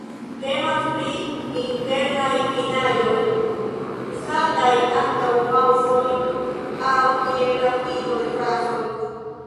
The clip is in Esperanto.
Temas pri „internaj finaĵoj“, uzataj antaŭ paŭzoj aŭ je la fino de frazoj.